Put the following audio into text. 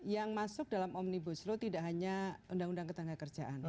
yang masuk dalam omnibus law tidak hanya undang undang ketenaga kerjaan